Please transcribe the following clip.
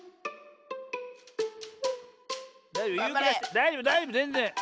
だいじょうぶだいじょうぶぜんぜん。